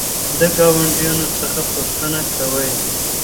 د ګاونډیانو څخه پوښتنه کوئ؟